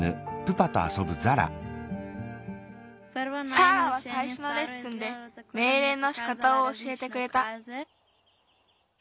サーラはさいしょのレッスンでめいれいのしかたをおしえてくれた。